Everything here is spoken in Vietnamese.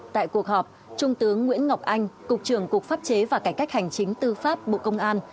tại cuộc họp trung tướng nguyễn ngọc anh cục trưởng cục pháp chế và cải cách hành chính tư pháp bộ công an